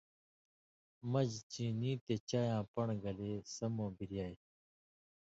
مژ چینی تے چایاں پن٘ڑہۡ گلے سمُو بِریائ